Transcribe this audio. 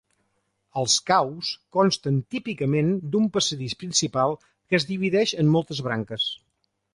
Els caus consten típicament d'un passadís principal que es divideix en moltes branques.